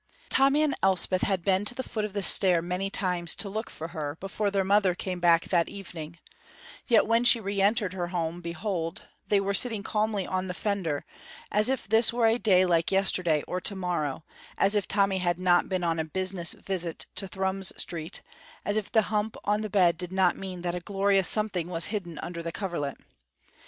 Tommy and Elspeth had been to the foot of the stair many times to look for her before their mother came back that evening, yet when she re entered her home, behold, they were sitting calmly on the fender as if this were a day like yesterday or to morrow, as if Tommy had not been on a business visit to Thrums Street, as if the hump on the bed did not mean that a glorious something was hidden under the coverlet.